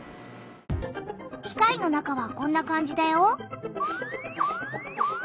機械の中はこんな感じだよ。